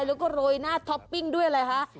ไปแล้วก็โรยหน้าท็อปปิ้งด้วยเลยค่ะ